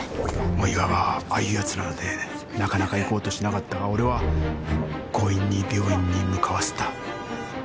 大岩はああいう奴なのでなかなか行こうとしなかったが俺は強引に病院に向かわせた。